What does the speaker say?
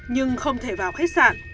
nhưng không thể vào khách sạn